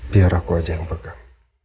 biar aku aja yang pegang